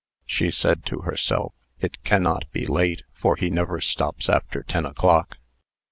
She said to herself: "It cannot be late; for he never stops after ten o'clock."